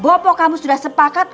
bopo kamu sudah sepakat